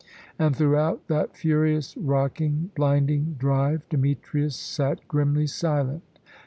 And throughout that furious, rocking, blinding drive Demetrius sat grimly silent.